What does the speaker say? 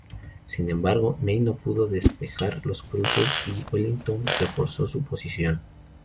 Sin embargo, Ney no pudo despejar los cruces, y Wellington reforzó su posición.